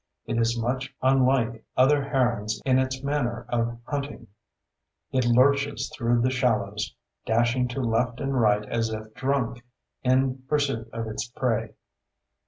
It is much unlike other herons in its manner of hunting: it lurches through the shallows, dashing to left and right as if drunk, in pursuit of its prey.